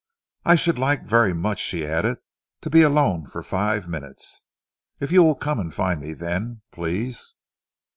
"I should like very much," she added, "to be alone for five minutes. If you will come and find me then please!"